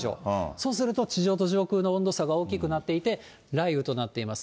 そうすると、地上と上空の温度差が大きくなっていて、雷雨となっています。